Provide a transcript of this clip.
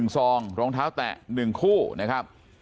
ซองรองเท้าแตะ๑คู่นะครับ